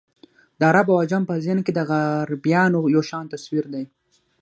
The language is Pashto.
د عرب او عجم په ذهن کې د غربیانو یو شان تصویر دی.